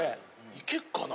いけっかな？